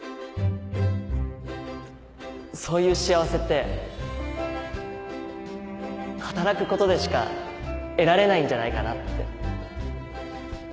そういう幸せって働くことでしか得られないんじゃないかなって。